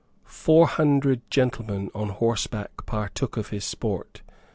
Four hundred gentlemen on horseback partook of his sport.